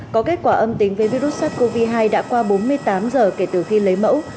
có kết quả âm tính với virus sars cov hai đã qua bốn mươi tám giờ kể từ khi lấy mẫu